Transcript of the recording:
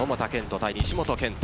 対西本拳太